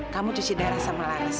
kamu cuci darah sama lares